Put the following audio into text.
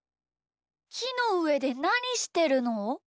きのうえでなにしてるの？